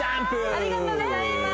ありがとうございます